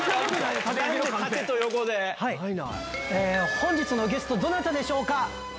本日のゲストどなたでしょうか？